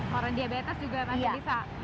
koron diabetes juga masih bisa mengandung ini